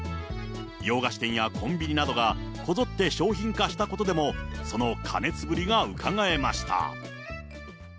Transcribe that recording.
洋菓子店やコンビニなどが、こぞって商品化したことでも、その過熱ぶりがうかがえました。